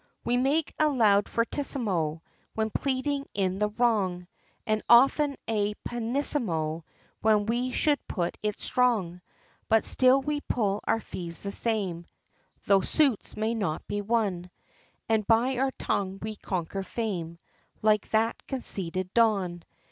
We make a loud fortissimo, When pleading in the wrong, And often pianissimo, When we should put it strong, But still we pull our fees the same, Tho' suits may not be won, And by our tongue, we conquer fame, Like that conceited Don.